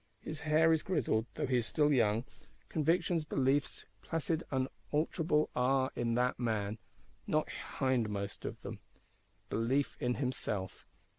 His hair is grizzled, though he is still young: convictions, beliefs, placid unalterable are in that man; not hindmost of them, belief in himself.